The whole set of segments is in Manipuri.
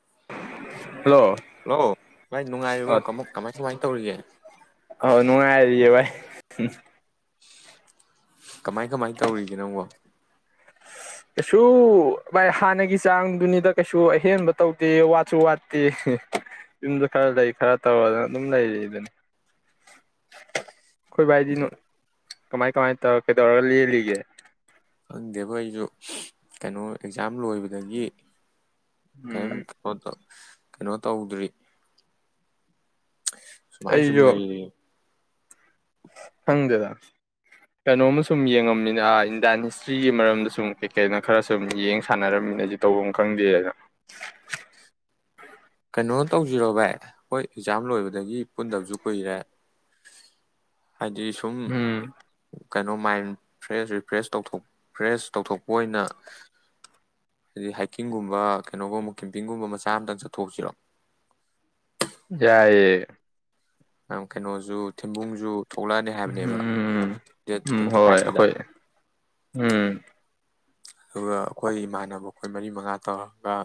[inaudible] ꯍꯜꯂꯣ ꯚꯥꯏ ꯅꯨꯡꯉꯥꯏꯔꯤꯕꯣ ꯑ ꯀꯃꯣ ꯀꯃꯥꯏ ꯀꯃꯥꯏꯅ ꯇꯧꯔꯤꯒꯦ ꯎꯝ ꯀꯃꯥꯏ ꯀꯃꯥꯏ ꯇꯧꯔꯤꯒꯦ ꯅꯪꯕꯣ ꯀꯩꯁꯨ ꯚꯥꯏ ꯍꯥꯟꯅꯒꯤ ꯆꯥꯡꯗꯨꯅꯤꯗ ꯀꯩꯁꯨ ꯑꯍꯦꯟꯕ ꯇꯧꯗꯦ ꯋꯥꯠꯁꯨ ꯋꯥꯠꯇꯦ ꯌꯨꯝꯗ ꯈꯔ ꯂꯩ ꯈꯔ ꯇꯧꯔꯒ ꯑꯗꯨꯝ ꯂꯩꯔꯤ ꯑꯗꯨꯅꯤ ꯑꯩꯈꯣꯏ ꯚꯥꯏꯗꯤ ꯀꯃꯥꯏ ꯀꯃꯥꯏ ꯇꯧꯔ ꯀꯩꯗꯧꯔꯒ ꯂꯦꯜꯂꯤꯒꯦ ꯈꯪꯗꯦꯕꯣ ꯑꯩꯁꯨ ꯀꯩꯅꯣ ꯑꯦꯛꯖꯥꯝ ꯂꯣꯏꯕꯗꯒꯤ ꯀꯔꯤꯝ ꯎꯝ ꯀꯩꯅꯣ ꯇꯧꯗ꯭ꯔꯤ ꯁꯨꯃꯥꯏ ꯁꯨꯝ ꯑꯩꯁꯨ ꯂꯩꯔꯤ ꯈꯪꯗꯦꯗ ꯀꯩꯅꯣꯝꯃ ꯁꯨꯝ ꯌꯦꯡꯉꯝꯃꯤꯅ ꯏꯟꯗꯤꯌꯥꯟ ꯍꯤꯁꯇ꯭ꯔꯤꯒꯤ ꯃꯔꯝꯗ ꯁꯨꯝ ꯀꯩ ꯀꯩꯅ ꯈꯔ ꯁꯨꯝ ꯌꯦꯡ ꯁꯥꯟꯅꯔꯝꯃꯤꯅꯝ ꯅꯩꯁꯨ ꯇꯧꯐꯝ ꯈꯪꯗꯦꯗ ꯀꯩꯅꯣ ꯇꯧꯁꯤꯔꯣ ꯚꯏ ꯍꯣꯏ ꯑꯦꯛꯖꯥꯝ ꯂꯣꯏꯕꯗ ꯑꯗꯒꯤ ꯄꯨꯟꯗꯕꯁꯨ ꯀꯨꯏꯔꯦ ꯍꯥꯏꯗꯤ ꯁꯨꯝ ꯎꯝ ꯀꯩꯅꯣ ꯃꯥꯏꯟ ꯐ꯭ꯔꯦꯁ ꯔꯤꯐ꯭ꯔꯦꯁ ꯇꯧ ꯐ꯭ꯔꯦꯁ ꯇꯧꯊꯣꯛꯄ ꯑꯣꯏꯅ ꯍꯥꯏꯗꯤ ꯍꯥꯏꯀꯤꯡꯒꯨꯝꯕ ꯀꯩꯅꯣꯒꯨꯝꯕ ꯀꯦꯝꯄꯤꯡꯒꯨꯝꯕ ꯃꯆꯥ ꯑꯃꯇꯪ ꯆꯠ ꯊꯣꯛꯣꯛ ꯁꯤꯔꯣ ꯌꯥꯏꯌꯦ ꯀꯩꯅꯣꯁꯨ ꯊꯦꯡꯕꯨꯡꯁꯨ ꯎꯝ ꯍꯣꯏ ꯇ꯭ꯋꯦꯟꯇꯤ ꯍꯣꯏ ꯐꯥꯏꯚꯁꯤꯗ ꯑꯩꯈꯣꯏ ꯎꯝ ꯑꯗꯨꯒ ꯑꯩꯈꯣꯏ ꯏꯃꯥꯟꯅꯕ ꯑꯩꯈꯣꯏ ꯃꯔꯤ ꯃꯉꯥ ꯇꯧꯔꯒ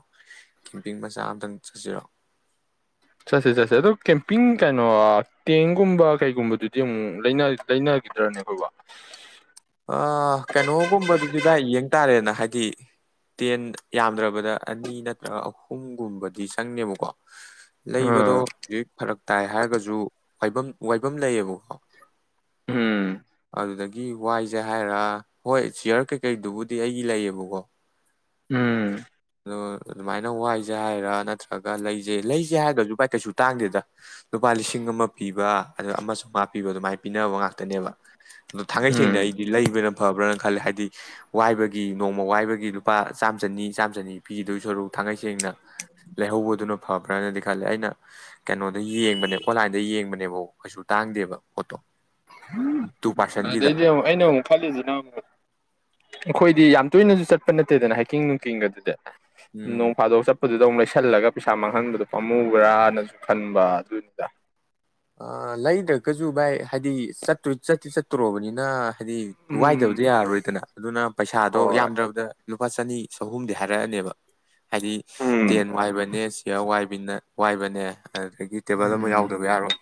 ꯀꯦꯝꯄꯤꯡ ꯃꯆꯥ ꯑꯃꯇꯪ ꯆꯠꯁꯤꯔꯣ ꯆꯠꯁꯦ ꯆꯠꯁꯦ ꯑꯗꯣ ꯀꯦꯝꯄꯤꯡ ꯀꯩꯅꯣ ꯇꯦꯡꯒꯨꯝꯕ ꯀꯩꯒꯨꯝꯕꯗꯨꯗꯤ ꯑꯃꯨꯛ ꯂꯩꯅꯈꯤꯗ꯭ꯔꯅꯦ ꯑꯩꯈꯣꯏꯕ ꯑ ꯀꯩꯅꯣꯒꯨꯝꯕꯗꯨꯗꯤ ꯚꯥꯏ ꯌꯦꯡ ꯇꯥꯔꯦꯅ ꯍꯥꯏꯗꯤ ꯇꯦꯟ ꯌꯥꯝꯗ꯭ꯔꯕꯗ ꯑꯅꯤ ꯅꯠꯇ꯭ꯔꯒ ꯑꯍꯨꯝꯒꯨꯝꯕꯗꯤ ꯆꯪꯉꯦꯕꯀꯣ ꯂꯩꯕꯗꯣ ꯑ ꯍꯧꯖꯤꯛ ꯐꯔꯛ ꯇꯥꯏ ꯍꯥꯏꯔꯒꯁꯨ ꯋꯥꯏꯕꯝ ꯋꯥꯏꯐꯝ ꯂꯩꯌꯦꯕꯀꯣ ꯎꯝ ꯑꯗꯨꯗꯒꯤ ꯋꯥꯏꯁꯦ ꯍꯥꯏꯔ ꯍꯣꯏ ꯆꯤꯌꯔ ꯀꯩꯀꯩꯗꯨꯕꯨꯗꯤ ꯑꯩꯒꯤ ꯂꯩꯌꯦꯕꯀꯣ ꯎꯝ ꯑꯗꯣ ꯑꯗꯨꯃꯥꯏꯅ ꯋꯥꯏꯁꯦ ꯍꯥꯏꯔ ꯅꯠꯇ꯭ꯔꯒ ꯂꯩꯁꯦ ꯂꯩꯁꯦ ꯍꯥꯏꯗꯁꯨꯚꯥꯏ ꯀꯩꯁꯨ ꯇꯥꯡꯗꯦꯗ ꯂꯨꯄꯥ ꯂꯤꯁꯤꯡ ꯑꯃ ꯄꯤꯕ ꯑ ꯑꯃ ꯆꯧꯉꯥ ꯄꯤꯅꯕ ꯑꯗꯨꯃꯥꯏꯅ ꯄꯤꯅꯕ ꯉꯥꯛꯇꯅꯦꯕ ꯊꯦꯡꯅ ꯎꯝ ꯑꯩꯗꯤ ꯂꯩꯕꯅ ꯐꯕ꯭ꯔꯅ ꯈꯜꯂꯦ ꯍꯥꯏꯗꯤ ꯋꯥꯏꯕꯒꯤ ꯅꯣꯡꯃ ꯋꯥꯏꯕꯒꯤ ꯂꯨꯄꯥ ꯆꯥꯝꯃ ꯆꯅꯤ ꯆꯥꯝꯃ ꯆꯅꯤ ꯄꯝꯗꯨ ꯁꯔꯨꯛ ꯊꯥꯡꯉꯩ ꯁꯦꯡꯅ ꯂꯩꯍꯧꯕꯗꯨꯅ ꯐꯕ꯭ꯔꯅꯗꯤ ꯈꯜꯂꯦ ꯑꯩꯅ ꯀꯩꯅꯣꯗ ꯌꯦꯡꯕꯅꯦ ꯑꯣꯟꯂꯥꯏꯟꯗ ꯌꯦꯡꯕꯅꯦꯕ ꯀꯩꯁꯨ ꯇꯥꯡꯗꯦꯕ ꯄꯣꯠꯇꯣ ꯇꯨ ꯄꯥꯔꯁꯟꯒꯤꯗ ꯑꯗꯩꯗꯤ ꯑꯃꯨꯛ ꯑꯩꯅ ꯑꯃꯨꯛ ꯈꯜꯂꯤꯁꯤꯅ ꯑꯃꯨꯛ ꯑꯩꯈꯣꯏꯗꯤ ꯌꯥꯝ ꯇꯣꯏꯅꯁꯨ ꯆꯠꯄ ꯅꯠꯇꯦꯗꯅ ꯍꯥꯏꯀꯤꯡ ꯅꯨꯡꯀꯤꯡꯒ ꯑꯗꯨꯗꯤ ꯎꯝ ꯅꯣꯡ ꯐꯥꯗꯣꯛ ꯆꯠꯄꯗꯨ ꯑꯃꯣꯛ ꯄꯤꯁꯜꯂꯒ ꯄꯩꯁꯥ ꯃꯥꯡꯍꯟꯕꯗꯣ ꯄꯥꯝꯃꯨꯕ꯭ꯔꯥꯅꯁꯨ ꯈꯟꯕ ꯑꯗꯨꯅꯤꯗ ꯑ ꯂꯩꯗ꯭ꯔꯒꯁꯨ ꯚꯥꯏ ꯍꯥꯏꯗꯤ ꯆꯠꯇꯣꯏ ꯆꯠꯇꯤ ꯆꯠꯇꯣꯔꯕꯅꯤꯅ ꯍꯥꯏꯗꯤ ꯋꯥꯏꯗꯕꯗꯤ ꯎꯝ ꯌꯥꯔꯔꯣꯏꯗꯅ ꯑꯗꯨꯅ ꯄꯩꯁꯥꯗꯣ ꯍꯣꯏ ꯌꯥꯝꯗ꯭ꯔꯕꯗ ꯂꯨꯄꯥ ꯆꯅꯤ ꯆꯍꯨꯝꯗꯤ ꯍꯥꯏꯔꯛꯑꯅꯦꯕ ꯍꯥꯏꯗꯤ ꯎꯝ ꯇꯦꯟ ꯋꯥꯏꯕꯅꯦ ꯆ꯭ꯔꯥ ꯋꯥꯏ ꯃꯤꯅꯠ ꯋꯥꯏꯕꯅꯦ ꯑꯗꯨꯗꯒꯤ ꯇꯦꯕꯜ ꯑꯃ ꯎꯝ ꯌꯥꯎꯗꯕ ꯌꯥꯔꯣꯏ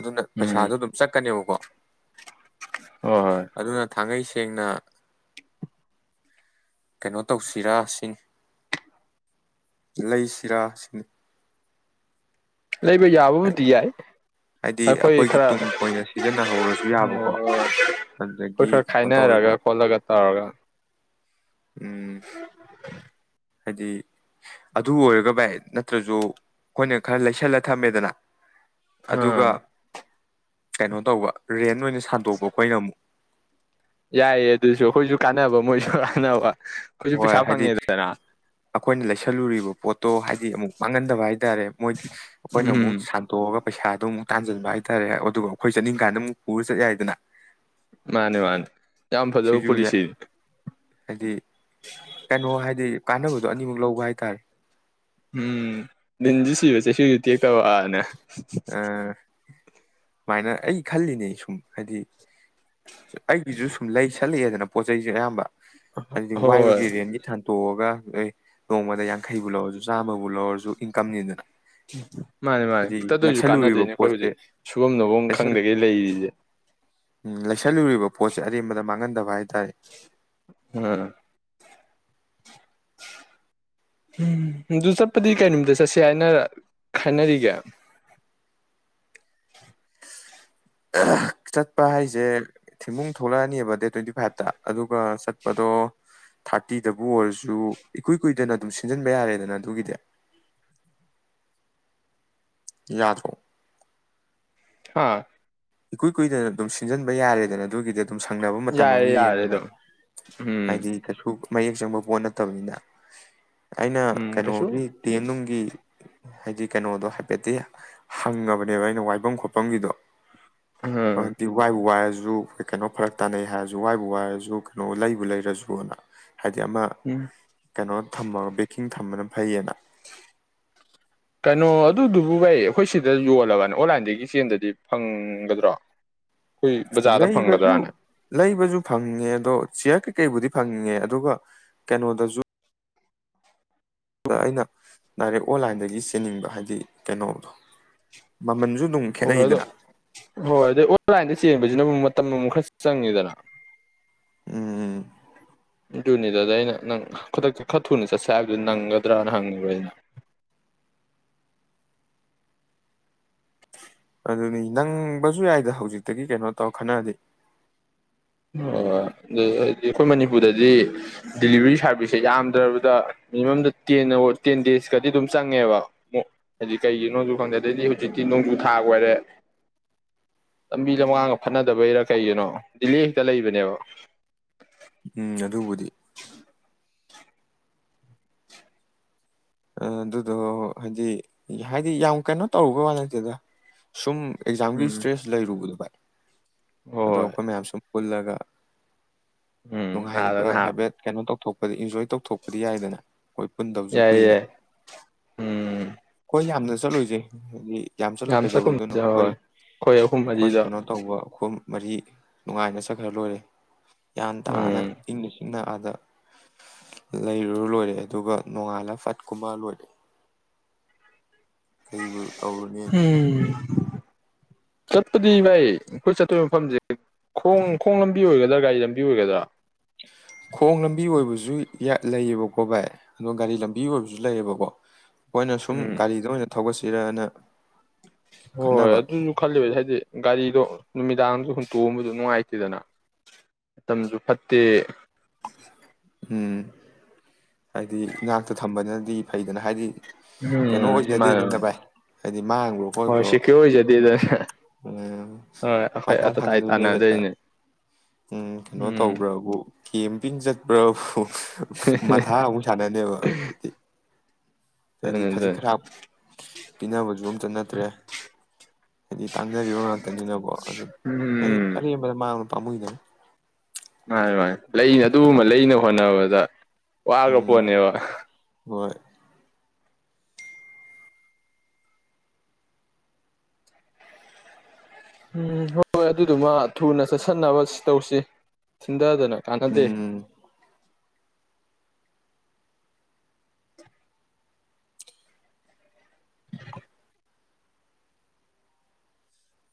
ꯑꯗꯨꯅ ꯎꯝ ꯄꯩꯁꯥꯗꯣ ꯑꯗꯨꯝ ꯆꯠꯀꯅꯦꯕꯀꯣ ꯍꯣꯏ ꯍꯣꯏ ꯊꯥꯡꯉꯩ ꯁꯦꯡꯅ ꯀꯩꯅꯣ ꯇꯧꯁꯤꯔꯥ ꯁꯤꯅꯤ ꯂꯩꯁꯤꯔꯥ ꯁꯤꯅꯤ ꯂꯩꯕ ꯌꯥꯕꯕꯨꯗꯤ ꯌꯥꯏ ꯍꯥꯏꯗꯤ ꯑꯩꯈꯣꯏ ꯑꯩꯈꯣꯏꯒꯤ ꯈꯔ ꯇꯨꯡ ꯀꯣꯏꯅ ꯁꯤꯖꯤꯟꯅꯍꯧꯔꯁꯨ ꯌꯥꯕꯀꯣ ꯑꯩꯈꯣꯏ ꯑꯗꯨꯗꯒꯤ ꯈꯔ ꯀꯩꯅꯣ ꯈꯥꯏꯅꯔꯒ ꯇꯧꯔꯁꯨ ꯈꯣꯠꯂꯒ ꯇꯧꯔꯒ ꯎꯝ ꯍꯥꯏꯗꯤ ꯑꯗꯨ ꯑꯣꯏꯔꯒ ꯚꯥꯏ ꯅꯠꯇ꯭ꯔꯁꯨ ꯑꯩꯈꯣꯏꯅ ꯈꯔ ꯂꯩꯁꯜꯂ ꯊꯝꯃꯦꯗꯅ ꯑꯗꯨꯒ ꯎꯝ ꯀꯩꯅꯣ ꯇꯧꯕ ꯔꯦꯟ ꯑꯣꯏꯅ ꯁꯟꯗꯣꯛꯄ ꯑꯩꯈꯣꯏ ꯑꯩꯅ ꯑꯃꯨꯛ ꯌꯥꯏꯌꯦ ꯑꯗꯨꯁꯨ ꯑꯩꯈꯣꯏꯁꯨ ꯀꯥꯟꯅꯕ ꯃꯣꯏꯁꯨ ꯀꯥꯟꯅꯕ ꯑꯩꯈꯣꯏꯁꯨ ꯍꯣꯏ ꯄꯩꯁꯥ ꯍꯥꯏꯗꯤ ꯐꯪꯉꯦꯗꯅ ꯑꯩꯈꯣꯏꯅ ꯂꯩꯁꯜꯂꯨꯔꯤꯕ ꯄꯣꯠꯇꯣ ꯍꯥꯏꯗꯤ ꯑꯃꯨꯛ ꯃꯥꯡꯉꯟꯗꯕ ꯍꯥꯏꯇꯥꯔꯦ ꯃꯣꯏ ꯑꯩꯈꯣꯏꯅ ꯑꯃꯨꯛ ꯎꯝ ꯁꯟꯇꯣꯛꯑꯒ ꯄꯩꯁꯥꯗꯣ ꯑꯃꯨꯛ ꯇꯥꯟꯖꯟꯕ ꯍꯥꯏꯇꯥꯔꯦ ꯑꯗꯨꯒ ꯑꯩꯈꯣꯏ ꯆꯠꯅꯤꯡ ꯀꯥꯟꯗ ꯑꯃꯨꯛ ꯄꯨꯔ ꯆꯠ ꯌꯥꯏꯗꯅ ꯃꯥꯅꯦ ꯃꯥꯅꯦ ꯌꯥꯝ ꯐꯖꯕ ꯁꯤꯁꯨ ꯌꯥꯏ ꯄꯣꯂꯤꯁꯤ ꯍꯥꯏꯗꯤ ꯀꯩꯅꯣ ꯍꯥꯏꯗꯤ ꯀꯥꯟꯅꯕꯗꯣ ꯑꯅꯤꯃꯛ ꯂꯧꯕ ꯍꯥꯏꯇꯥꯔꯦ ꯎꯝ ꯂꯤꯟꯁꯨ ꯁꯤꯕ ꯆꯩꯁꯨꯁꯨ ꯇꯦꯛꯇꯕ ꯑꯥ ꯁꯨꯃꯥꯏꯅ ꯑꯩ ꯈꯜꯂꯤꯅꯦ ꯁꯨꯝ ꯍꯥꯏꯗꯤ ꯑꯩꯒꯤꯁꯨ ꯁꯨꯝ ꯂꯩꯁꯦ ꯂꯤꯗꯅ ꯄꯣꯠ ꯆꯩꯁꯨ ꯑꯌꯥꯝꯕ ꯍꯥꯏꯗꯤ ꯍꯣꯏ ꯍꯣꯏ ꯋꯥꯏꯕꯒꯤ ꯔꯦꯟꯒꯤ ꯊꯝ ꯇꯣꯡꯑꯒ ꯑꯩ ꯅꯣꯡꯃꯗ ꯌꯥꯡꯈꯩꯕꯨ ꯂꯧꯔꯁꯨ ꯆꯥꯝꯕꯕꯨ ꯂꯧꯔꯁꯨ ꯏꯟꯀꯝꯅꯤꯅ ꯃꯥꯅꯦ ꯃꯥꯅꯦ ꯈꯤꯠꯇꯗꯁꯨ ꯂꯩꯁꯜꯂꯨꯔꯤꯕ ꯀꯥꯟꯅꯗꯣꯏꯅꯦ ꯑꯩꯈꯣꯏ ꯄꯣꯠꯁꯦ ꯍꯧꯖꯤꯛ ꯁꯨꯐꯝ ꯅꯣꯐꯝ ꯂꯩꯁꯜ ꯈꯪꯗꯒꯩ ꯂꯩꯔꯤꯁꯦ ꯎꯝ ꯂꯩꯁꯜꯂꯨꯔꯤꯕ ꯄꯣꯠꯁꯦ ꯑꯔꯦꯝꯕꯗ ꯃꯥꯡꯍꯟꯕ ꯍꯥꯏꯗ ꯎꯝ ꯎꯝ ꯑꯗꯨ ꯆꯠꯄꯗꯤ ꯀꯩ ꯅꯨꯃꯤꯗ ꯆꯠꯁꯦ ꯍꯥꯏꯅ ꯈꯅꯔꯤꯒꯦ ꯆꯠꯄ ꯍꯥꯏꯁꯦ ꯊꯦꯡꯕꯨꯡ ꯊꯣꯛꯂꯛꯑꯅꯦꯕ ꯗꯦꯠ ꯇ꯭ꯋꯦꯟꯇꯤ ꯐꯥꯏꯚꯇ ꯑꯗꯨꯒ ꯆꯠꯄꯗꯣ ꯊꯥꯔꯇꯤꯗꯕꯨ ꯑꯣꯏꯔꯁꯨ ꯏꯀꯨꯏ ꯀꯨꯏꯗꯅ ꯑꯗꯨꯝ ꯁꯤꯟꯖꯤꯟꯕ ꯌꯥꯔꯦꯗꯅ ꯑꯗꯨꯒꯤꯗꯤ ꯌꯥꯗ꯭ꯔꯣ ꯍꯥꯥ ꯏꯀꯨꯏ ꯀꯨꯏꯗꯅ ꯑꯗꯨꯝ ꯁꯤꯟꯖꯟꯕ ꯌꯥꯔꯦꯗꯅ ꯑꯗꯨꯒꯤꯗꯤ ꯑꯗꯨꯝ ꯁꯪꯅꯕ ꯃꯇꯝ ꯑꯃ ꯌꯥꯔꯦ ꯌꯥꯔꯦ ꯌꯦꯡꯉꯒ ꯑꯗꯨꯝ ꯎꯝ ꯍꯥꯏꯗꯤ ꯀꯩꯁꯨ ꯃꯌꯦꯛ ꯆꯪꯕ ꯄꯣꯠ ꯅꯠꯇꯕꯅꯤꯅ ꯑꯩꯅ ꯎꯝ ꯀꯩꯁꯨ ꯀꯩꯅꯣꯒꯤ ꯇꯦꯝꯅꯨꯡ ꯒꯤ ꯍꯥꯏꯗꯤ ꯀꯩꯅꯣꯗꯣ ꯍꯥꯏꯐꯦꯠꯇꯤ ꯍꯪꯉꯕꯅꯦꯕ ꯑꯩꯅ ꯋꯥꯏꯐꯝ ꯈꯣꯠꯐꯝꯒꯤꯗꯣ ꯎꯝ ꯑꯗꯤ ꯋꯥꯏ ꯋꯥ ꯋꯥꯏ ꯨ ꯀꯩꯅꯣ ꯐꯔ ꯇꯥꯅꯩ ꯍꯥꯏꯔꯁꯨ ꯋꯥꯏꯕꯨ ꯋꯥꯏꯔꯁꯨ ꯀꯩꯅꯣ ꯂꯩꯕꯨ ꯂꯩꯔꯁꯨꯅ ꯍꯥꯏꯗꯤ ꯑꯃ ꯎꯝ ꯀꯩꯅꯣ ꯊꯝꯃꯒ ꯕꯦꯀꯤꯡ ꯊꯝꯕꯅ ꯐꯩꯌꯦꯅ ꯀꯩꯅꯣ ꯑꯗꯨꯗꯨꯕꯨ ꯑꯩꯈꯣꯏ ꯁꯤꯗ ꯌꯣꯜꯂꯕꯅ‌ꯦ ꯑꯣꯟꯂꯥꯏꯟꯗꯒꯤ ꯆꯦꯟꯗꯗꯤ ꯐꯪꯒꯗ꯭ꯔꯣ ꯑꯩꯈꯣꯏ ꯕꯖꯥꯔꯗ ꯂꯩꯕꯁꯨ ꯐꯪꯒꯗ꯭ꯔꯥꯅ ꯂꯩꯕꯁꯨ ꯐꯪꯉꯦ ꯑꯗꯣ ꯁꯤꯌꯥꯔ ꯀꯩꯀꯩꯕꯨꯗꯤ ꯐꯪꯉꯦ ꯑꯗꯨꯒ ꯀꯩꯅꯣꯗꯁꯨ ꯑꯩꯅ ꯗꯥꯏꯔꯦꯛ ꯑꯣꯟꯂꯥꯏꯟꯗꯒꯤ ꯆꯦꯟꯅꯤꯡꯕ ꯍꯥꯏꯗꯤ ꯀꯩꯅꯣꯗꯣ ꯃꯃꯜꯁꯨ ꯑꯗꯨꯝ ꯍ ꯑꯗꯣ ꯈꯦꯠꯅꯩꯗꯅ ꯍꯣꯏ ꯑꯗꯨꯗ ꯑꯣꯂꯥꯏ ꯆꯦꯟꯕꯁꯤꯅ ꯑꯃꯨꯛ ꯃꯇꯝ ꯑꯃꯨ ꯈꯔ ꯆꯪꯉꯤꯗꯅ ꯎꯝ ꯎꯝ ꯖꯨꯅꯤꯗꯗ ꯑꯩꯅ ꯅꯪ ꯈꯨꯗꯛꯇ ꯈꯔ ꯊꯨꯅ ꯆꯠꯁꯦ ꯍꯥꯏꯕꯗꯨ ꯅꯪꯒꯗ꯭ꯔꯅ ꯍꯪꯉꯤꯕ ꯑꯩꯅ ꯑꯗꯨꯅꯤ ꯅꯪꯕꯁꯨ ꯌꯥꯏꯗ ꯍꯧꯖꯤꯛꯇꯒꯤ ꯀꯩꯅꯣ ꯇꯧꯔ ꯈꯟꯅꯑꯗꯤ ꯑꯣ ꯑꯗꯨꯗ ꯍꯥꯏꯗꯤ ꯑꯩꯈꯣꯏ ꯃꯅꯤꯄꯨꯔꯗꯗꯤ ꯗꯤꯂꯤꯚꯔꯤ ꯁꯥꯔꯚꯤꯁꯁꯦ ꯌꯥꯝꯗ꯭ꯔꯕꯗ ꯃꯤꯅꯤꯃꯝꯗ ꯇꯦꯟ ꯑꯣ ꯇꯦꯟ ꯗꯦꯖꯀꯗꯤ ꯑꯗꯨꯝ ꯆꯪꯉꯦꯕ ꯑꯃꯨꯛ ꯑꯩꯈ‌ꯣꯏ ꯃꯟꯅꯤꯄꯨꯔꯗꯗꯤ ꯗꯂꯤꯕꯔꯤꯁ ꯍꯥꯏꯗꯤ ꯀꯩꯒꯤ ꯅꯣꯡꯖꯨ ꯈꯪꯗꯦ ꯑꯗꯩꯗꯤ ꯍꯧꯖꯤꯛꯇꯤ ꯅꯣꯡꯖꯨ ꯊꯥ ꯑꯣꯏꯔꯦ ꯂꯝꯕꯤ ꯂꯝ ꯉꯥꯡꯒ ꯐꯅꯗꯕꯩꯔꯥ ꯀꯩꯒꯤꯅꯣ ꯗꯗꯤꯜ ꯍꯦꯛꯇ ꯂꯩꯕꯅꯦꯕ ꯎꯝ ꯑꯗꯨꯕꯨꯗꯤ ꯑꯗꯨꯗꯣ ꯍꯥꯏꯗꯤ ꯍꯥꯏꯗꯤ ꯌꯥꯝ ꯀꯩꯅꯣ ꯇꯧꯔꯨꯒ ꯋꯥ ꯅꯠꯇꯦꯗ ꯁꯨꯝ ꯑꯦꯛꯖꯥꯝꯒꯤ ꯎꯝ ꯏꯁꯇ꯭ꯔꯦꯁ ꯂꯩꯔꯨꯒꯅꯨ ꯚꯥꯏ ꯑꯗꯣ ꯍꯣꯏ ꯑꯩꯈꯣꯏ ꯃꯌꯥꯝ ꯁꯨꯝ ꯄꯨꯜꯂꯒ ꯎꯝ ꯑꯥꯗ ꯅꯨꯡꯉꯥꯏꯕ ꯅꯍꯥꯛ ꯍꯥꯏꯐꯦꯠ ꯀꯩꯅꯣ ꯇꯧꯊꯣꯛ ꯏꯟꯖꯣꯏ ꯇꯧꯊꯣꯛꯄꯗꯤ ꯌꯥꯏꯗꯅ ꯍꯣꯏ ꯄꯨꯟꯗꯕꯁꯨ ꯌꯥꯏ ꯀꯨꯏꯔꯦ ꯌꯥꯏ ꯎꯝ ꯍꯣꯏ ꯌꯥꯝꯅ ꯆꯠꯂ‌ꯣꯏꯁꯦ [unintelligible] ꯌꯥꯝ ꯆꯠꯂ ꯀꯩꯗꯧꯕꯗꯨꯅꯣ ꯆꯠꯀꯨꯝꯁꯦ ꯑꯩꯈꯣꯏ ꯍꯣꯏ ꯑꯍꯨꯝ ꯑꯩꯈꯣꯏ ꯃꯔꯤꯗ ꯀꯩꯅꯣ ꯇꯧꯕ ꯒꯨꯝ ꯃꯔꯤ ꯅꯨꯡꯉꯥꯏꯅ ꯁꯠꯈ꯭ꯔ ꯂꯣꯏꯔꯦ ꯒꯌ꯭ꯥꯟ ꯇꯥꯅ ꯎꯝ ꯢꯪꯅ ꯏꯪꯅ ꯑꯥꯗ ꯂꯩꯔꯨꯔꯨ ꯂꯣꯏꯔꯦ ꯑꯗꯨꯒ ꯅꯣꯡꯉꯥꯜꯂ ꯐꯠ ꯀꯨꯝꯃ ꯂꯣꯏ ꯀꯩꯕꯨ ꯇꯧꯔꯨꯅꯦꯒꯦ ꯎꯝ ꯆꯠꯄꯗꯤ ꯚꯥꯏ ꯑꯈꯣꯏ ꯆꯠꯇꯣꯏ ꯃꯐꯝꯖꯦ ꯈꯣꯡ ꯈꯣꯡ ꯂꯝꯕꯤ ꯑꯣꯏꯒꯗ꯭ꯔꯥ ꯒꯥꯔꯤ ꯂꯝꯕꯤ ꯑꯣꯏꯒꯗ꯭ꯔꯥ ꯈꯣꯡ ꯂꯝꯕꯤ ꯑꯣꯏꯕꯖꯨ ꯂꯩꯌꯦꯕꯀꯣ ꯚꯥꯏ ꯑꯗꯣ ꯒꯥꯔꯤ ꯂꯝꯕꯤ ꯑꯣꯏꯕꯖꯨ ꯂꯩꯌꯦꯕꯀꯣ ꯈꯣꯏꯅ ꯁꯨꯝ ꯎꯝ ꯒꯥꯔꯤꯗ ꯑꯣꯏꯅ ꯊꯧꯒꯠꯁꯤꯔꯅ ꯍꯣꯏ ꯈꯟꯅꯕ ꯑꯗꯨꯅꯨ ꯈꯜꯂꯤꯕ ꯍꯥꯏꯗꯤ ꯒꯥꯔꯤꯗꯣ ꯅꯨꯃꯤꯗꯥꯡꯖꯨ ꯍꯨꯟꯇꯣꯛꯑꯝꯕꯗꯨ ꯅꯨꯡꯉꯥꯏꯇꯦꯗꯅ ꯃꯇꯝꯖꯨ ꯐꯠꯇꯦ ꯎꯝ ꯍꯥꯏꯗꯤ ꯏꯅꯥꯛꯇ ꯊꯝꯕꯅꯤ ꯗꯤ ꯐꯩꯗꯅ ꯍꯥꯏꯗꯤ ꯀꯩꯅꯣ ꯎꯝ ꯃꯥꯅꯦ ꯑꯣꯏꯖꯗꯦꯗꯅ ꯃꯥꯅꯦ ꯚꯥꯏ ꯍꯥꯏꯗꯤ ꯃꯥꯡꯒꯔꯣ ꯍꯣꯏ ꯈꯣꯠꯈ꯭ꯔꯣ ꯁꯦꯀ꯭ꯌꯣꯔ ꯑꯣꯏꯖꯗꯦꯗꯅ ꯎꯝ ꯍꯣꯏ ꯑꯩꯈꯣꯏ ꯃꯊꯥ ꯑꯇ ꯇꯥꯏ ꯁꯥꯅꯗꯣꯏꯅꯦꯕ ꯍꯦꯛꯇ ꯇꯥꯟꯅꯗꯣꯏꯅꯦ ꯎꯝ ꯀꯩꯅꯣ ꯎꯝ ꯇꯧꯕ꯭ꯔꯥꯕꯨ ꯀꯦꯝ ꯄꯤꯟꯖꯠ ꯄ꯭ꯔꯣ ꯃꯊꯥ ꯑꯃꯨꯛ ꯁꯥꯟꯅꯅꯦꯕ ꯗꯤ ꯍꯥꯏꯗꯤ ꯑꯗꯨꯅꯤ ꯑꯗꯨꯅꯤ ꯈꯖꯤꯛ ꯈꯔꯥꯞ ꯄꯤꯅꯕꯖꯨ ꯑꯝꯇ ꯅꯠꯇ꯭ꯔꯦ ꯍꯥꯏꯗꯤ ꯇꯥꯡꯖꯔꯤꯕ ꯉꯥꯛꯇꯅꯤꯅꯀꯣ ꯑꯗꯨ ꯍꯥꯏꯗꯤ ꯎꯝ ꯑꯔꯦꯝꯕ ꯃꯥꯡ ꯄꯥꯃꯨꯏꯗꯅ ꯃꯥꯅꯦ ꯃꯥꯅꯦ ꯂꯩ ꯑꯗꯨꯒꯨꯝꯕ ꯂꯩꯅ ꯍꯣꯠꯅꯕꯗ ꯎꯝ ꯋꯥꯒꯄꯣꯠꯅꯦꯕ ꯍꯣꯏ ꯎꯝ ꯍꯣꯏ ꯍꯣꯏ ꯑꯗꯨꯗꯨꯃ ꯊꯨꯅ ꯆꯠꯁꯟꯅꯕ ꯇꯧꯁꯤ ꯊꯤꯟꯗꯗꯅ ꯀꯥꯟꯅꯗꯦ ꯎꯝ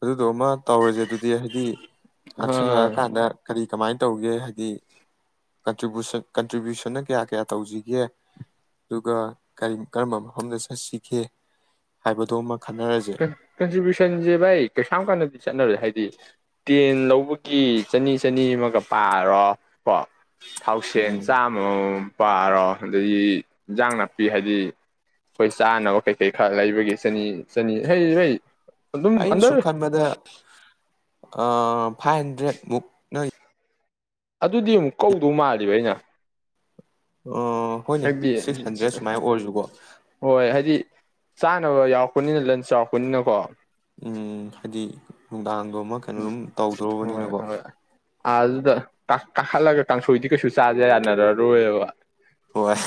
ꯑꯗꯨ ꯗꯨ ꯑꯃ ꯇꯧꯔꯖꯦ ꯑꯗꯨꯗꯤ ꯍꯥꯏꯗꯤ ꯑ ꯅꯛꯁꯟꯅꯔꯥꯀꯥꯟꯗ ꯀꯔꯤ ꯀꯃꯥꯏꯅ ꯇꯧꯒꯦ ꯍꯥꯏꯗꯤ ꯀꯟꯇꯔꯤꯕꯨꯁꯟ ꯀꯟꯇ꯭ꯔꯤꯕ꯭ꯌꯨꯁꯟꯅ ꯀꯌꯥ ꯀꯌꯥ ꯇꯧꯖꯤꯒꯦ ꯑꯗꯨꯒ ꯀꯔꯤ ꯀꯔꯝꯕ ꯃꯐꯝꯗ ꯆꯠꯁꯤꯒꯦ ꯍꯥꯏꯕꯗꯣ ꯈꯟꯅꯔꯁꯦ ꯀꯟꯇ꯭ꯔꯤꯕ꯭ꯨꯁꯟꯖꯦ ꯚꯥꯢ ꯀꯩꯁꯥꯝ ꯀꯟꯅꯗꯤ ꯆꯠꯅꯔꯦ ꯍꯥꯏꯗꯤ ꯇꯦꯟ ꯂꯧꯕꯒꯤ ꯆꯅꯤ ꯆꯅꯤ ꯑꯃꯒ ꯄꯥꯔꯣ ꯀꯣ ꯊꯥꯎꯁꯦꯟ ꯎꯝ ꯆꯥꯃꯃꯃꯝ ꯄꯥꯔꯣ ꯑꯗꯒꯤ ꯏꯟꯖꯥꯡ ꯅꯥꯄꯤ ꯍꯥꯏꯗꯤ ꯑꯈꯣꯏ ꯆꯥꯅꯕ ꯀꯩꯀꯩ ꯈꯔ ꯂꯩꯕꯒꯤ ꯆꯅꯤ ꯆꯅꯤ ꯍꯩ ꯕꯩ ꯑꯗꯨꯝ ꯑꯟꯗꯔ ꯑꯥ ꯐꯥꯏ ꯍꯟꯗ꯭ꯔꯦꯠ ꯃꯨꯛ ꯅꯩ ꯑꯗꯨꯗꯤ ꯑꯃꯨꯛ ꯀꯧꯗꯧ ꯃꯥꯜꯂꯤꯕ ꯑꯩꯅ ꯑ ꯍꯣꯏꯅꯦ ꯍꯥꯏꯕꯗꯤ ꯁꯤꯛꯁ ꯍꯟꯗ꯭ꯔꯦꯗ ꯁꯨꯃꯥꯏꯅ ꯑꯣꯏꯔꯁꯨꯀꯣ ꯍꯣꯏ ꯍꯥꯏꯗꯤ ꯆꯥꯅꯕ ꯌꯥꯎꯔꯛꯄꯅꯤꯅ ꯂꯟ ꯆꯥꯎꯔꯛꯄꯅꯤꯅꯀꯣ ꯎꯝ ꯍꯥꯏꯗꯤ ꯅꯨꯡꯗꯥꯡ ꯑꯗꯣꯃ ꯀꯩꯅꯣ ꯑꯗꯨꯝ ꯇꯧꯗ꯭ꯔꯕꯅꯤꯅꯀꯣ ꯥ ꯑꯗꯨꯗ ꯀꯥꯈꯠꯂꯒ ꯀꯥꯡꯁꯣꯏꯗꯤ ꯀꯩꯁꯨ ꯆꯥꯥꯁꯦ ꯌꯥꯅꯔꯔꯣꯏꯕ ꯍꯣꯏ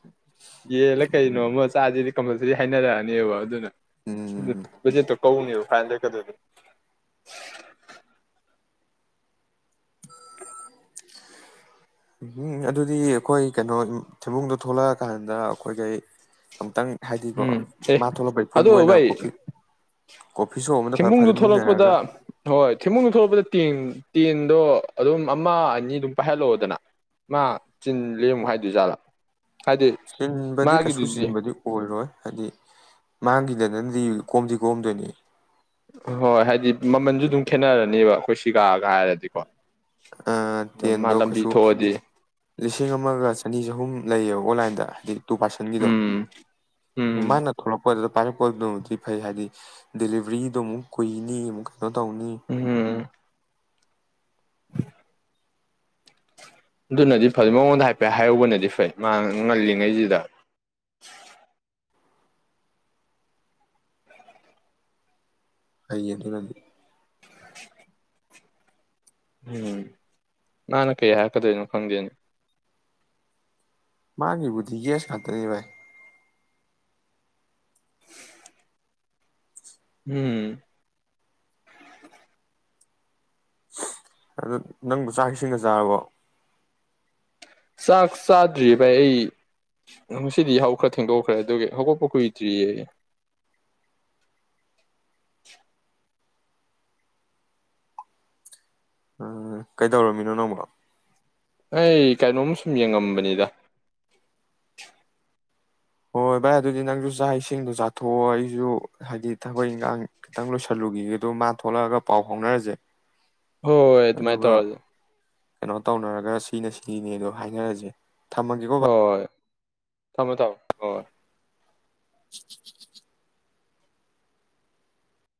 [inaudible] ꯌꯦꯜꯂꯥ ꯀꯩꯩꯅꯣꯃ ꯆꯖꯤ ꯀꯝꯄꯜꯁꯥꯔꯤ ꯍꯥꯏꯅꯔꯛꯑꯅꯦꯕ ꯑꯗꯨꯅ ꯎꯝ ꯕꯠꯖꯦꯠꯇꯣ ꯀꯧꯅꯦꯕ [inaudible] [inaudible] ꯎꯝ ꯎꯝ ꯑꯗꯨꯗꯤ ꯑꯩꯈꯣꯏ ꯀꯩꯅꯣ ꯊꯤꯟꯕꯨꯡꯗꯣ ꯊꯣꯛꯂꯛꯑꯀꯥꯟꯗ ꯑꯩꯈꯣꯏꯈꯩ ꯑꯝꯛꯇꯪ ꯍꯥꯏꯗꯤꯀꯣ ꯎꯝ ꯑꯦ ꯃꯥ ꯊꯣꯛꯂꯛꯄꯩ ꯄꯨꯨꯟꯕ ꯑꯣꯏꯅ ꯀꯣꯐꯤ ꯀꯣꯐꯤ ꯁꯣꯞ ꯑꯃꯗ ꯐ ꯊꯦꯡꯃꯨꯡꯗꯨ ꯊꯂꯛꯄꯗ ꯐꯥꯖꯤꯟꯃꯤꯟꯅꯔꯒ ꯍꯣꯏ ꯊꯦꯡꯃꯨꯡꯗꯨ ꯊꯂꯛꯄꯗ ꯇꯦꯡ ꯇꯦꯟꯗꯣ ꯑꯗꯨꯝ ꯑꯃ ꯑꯅꯤ ꯑꯗꯨꯝ ꯄꯥꯏꯍꯜꯂꯛꯑꯣꯗꯅ ꯃꯥ ꯆꯤꯟ ꯂꯦꯝꯃꯨ ꯍꯥꯏꯗꯣꯏ ꯖꯥꯠꯂ ꯆꯤꯟꯕꯗꯤ ꯀꯩꯁꯨ ꯆꯤꯟꯕꯗꯤ ꯑꯣꯏꯔꯣꯏ ꯍꯥꯏꯗꯤ ꯃꯥꯡꯈꯤꯗ ꯅꯗꯤ ꯀꯣꯝꯗꯤ ꯀꯣꯝꯗꯣꯏꯅꯤ ꯍꯣꯏ ꯍꯥꯏꯗꯤ ꯃꯃꯟꯁꯨ ꯑꯗꯨꯝ ꯈꯦꯠꯅꯔꯅꯦꯕ ꯈꯣꯏꯁꯤ ꯑꯗꯨꯝ ꯃꯥ ꯇꯦꯟꯗꯣ ꯂꯝꯕꯤ ꯀꯩꯁꯨ ꯊꯣꯛꯑꯗꯤ ꯂꯤꯁꯤꯡ ꯑꯃꯒ ꯆꯅꯤ ꯆꯍꯨꯝ ꯂꯩꯌꯦꯕ ꯑꯣꯟꯂꯥꯏꯟꯗ ꯍꯥꯏꯗꯤ ꯇꯨ ꯄꯥꯔꯁꯦꯟꯒꯤꯗꯣ ꯎꯝ ꯎꯝ ꯃꯥꯅ ꯊꯣꯛꯂꯛꯄꯗ ꯄꯥꯏꯔꯛꯄꯗꯨꯃꯗꯤ ꯐꯩ ꯍꯥꯏꯗꯤ ꯗꯦꯂꯤꯕꯔꯤꯗꯨꯣ ꯑꯃꯨꯛ ꯀꯨꯏꯅꯤ ꯑꯃꯨꯛ ꯑꯗꯨꯗꯣ ꯇꯧꯅꯤ ꯎꯝ ꯑꯗꯨꯅꯗꯤ ꯐꯩ ꯃꯉꯣꯟꯗ ꯍꯥꯏꯐꯦꯠ ꯍꯥꯏꯍꯧꯕꯅꯗꯤ ꯐꯩ ꯃꯥ ꯉꯜꯂꯤꯉꯩꯁꯤꯗ ꯑꯩꯅꯤ ꯅꯅꯤ ꯎꯝ ꯅꯅ ꯀꯩ ꯍꯥꯏꯀꯗꯣꯏꯅꯣ ꯈꯪꯗꯦꯅꯤ ꯃꯥꯒꯤꯕꯨꯗꯤ ꯒꯦꯁ ꯉꯥꯛꯇꯅꯤ ꯚꯥꯏ ꯎꯝ ꯑꯗꯨ ꯅꯪꯕꯨ ꯆꯥꯛꯈꯤꯁꯤꯡꯒ ꯆꯥꯔꯕꯣ ꯆꯥꯛ ꯆꯥꯗ꯭ꯔꯤꯌꯦ ꯚꯥꯏ ꯑꯩ ꯉꯁꯤꯗꯤ ꯍꯧꯈ꯭ꯔ ꯊꯦꯡꯗꯣꯛꯈ꯭ꯔꯦ ꯑꯗꯨꯒꯤ ꯍꯧꯒꯣꯛꯄ ꯀꯨꯏꯗ꯭ꯔꯤꯌꯦ ꯎꯝ ꯀꯩꯗꯧꯔꯝꯃꯤꯅꯣ ꯅꯪꯕ ꯑꯩ ꯀꯩꯅꯣꯝ ꯁꯨꯝ ꯌꯦꯡꯉꯝꯕꯅꯤꯗ ꯍꯣꯏ ꯚꯥꯏ ꯑꯗꯨꯗꯤ ꯅꯪꯁꯨ ꯆꯥꯛ ꯏꯁꯤꯡꯗꯣ ꯆꯥꯊꯣꯛꯑꯣ ꯑꯩꯁꯨ ꯍꯥꯏꯗꯤ ꯊꯕꯛ ꯏꯟꯈꯥꯡ ꯈꯤꯇꯪ ꯂꯣꯏꯁꯜꯂꯨꯈꯤꯒꯦꯗ ꯃꯥ ꯊꯣꯛꯂꯛꯑꯒ ꯄꯥꯎ ꯐꯥꯎꯅꯔꯁꯦ ꯍ ꯑꯩ ꯃꯥꯥꯏ ꯑꯗꯨꯒ ꯇꯔꯖꯦ ꯀꯩꯅꯣ ꯇꯧꯅꯔꯒ ꯁꯤꯅ ꯁꯤꯅꯤꯅꯦ ꯑꯗꯣ ꯍꯥꯏꯅꯔꯁꯦ ꯊꯝꯃꯥꯒꯦꯀꯣ ꯍꯣꯏ ꯊꯝꯃꯣ ꯊꯝꯃꯣ ꯑꯣ [unintelligible]